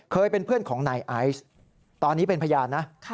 เคยเป็นเพื่อนของนายไอซ์ตอนนี้เป็นพยานนะ